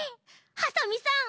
ハサミさん